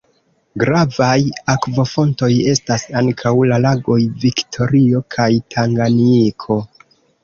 Gravaj akvofontoj estas ankaŭ la lagoj Viktorio kaj Tanganjiko.